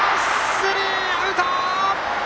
スリーアウト！